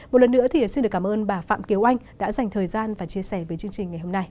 một lần nữa thì xin được cảm ơn bà phạm kiều anh đã dành thời gian và chia sẻ với chương trình ngày hôm nay